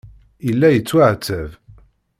Yella yettwaɛettab.